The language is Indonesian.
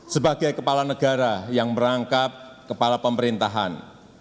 sebagai kepala negara yang merangkap kepala pemerintahan